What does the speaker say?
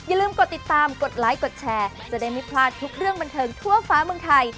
อย่าลืมกดติดตามกดไลค์กดแชร์จะได้ไม่พลาดทุกเรื่องบันเทิงทั่วฟ้าเมืองไทย